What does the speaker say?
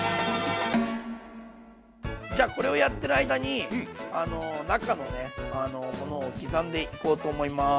じゃこれをやってる間に中のねものを刻んでいこうと思います。